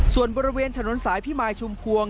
ส่วนบริเวณถนนสายพิมายชุมพวง